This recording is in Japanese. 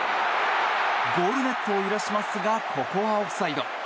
ゴールネットを揺らしますがここはオフサイド。